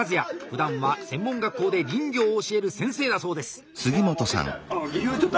ふだんは専門学校で林業を教える先生だそうです。